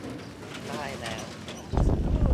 ได้แล้ว